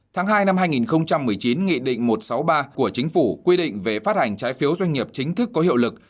tháng hai năm hai nghìn một mươi chín nghị định một trăm sáu mươi ba của chính phủ quy định về phát hành trái phiếu doanh nghiệp chính thức có hiệu lực